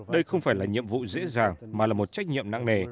đây không phải là nhiệm vụ dễ dàng mà là một trách nhiệm nặng nề